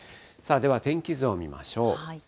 では天気図を見ましょう。